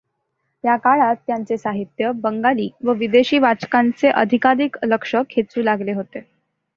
या काळात त्यांचे साहित्य बंगाली व विदेशी वाचकांचे आधिकाधिक लक्ष खेचू लागले होते.